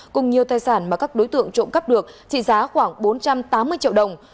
cùng nhiều tài sản mà các đối tượng trộm cắp được trị giá khoảng bốn trăm tám mươi triệu đồng